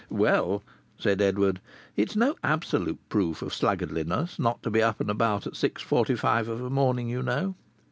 "Well," said Edward, "it's no absolute proof of sluggardliness not to be up and about at six forty five of a morning, you know."